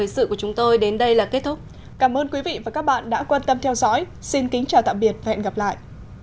xin kính chào tạm biệt và hẹn gặp lại